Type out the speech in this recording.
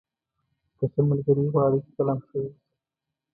که ښه ملګری غواړئ خپله هم ښه واوسه.